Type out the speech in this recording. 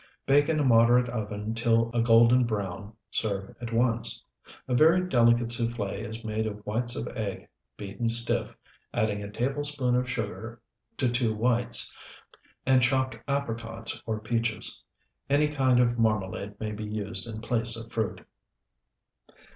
Bake in a moderate oven till a golden brown. Serve at once. A very delicate souffle is made of whites of eggs beaten stiff, adding a tablespoonful of sugar to two whites, and chopped apricots or peaches. Any kind of marmalade may be used in place of fruit.